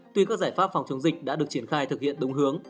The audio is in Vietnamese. tuy các giải pháp phòng chống dịch đã được triển khai thực hiện đúng hướng